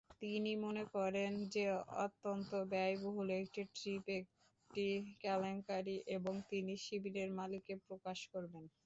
তিনি মনে করেন যে অত্যন্ত ব্যয়বহুল একক ট্রিপ একটি কেলেঙ্কারী এবং তিনি শিবিরের মালিককে প্রকাশ করবেন।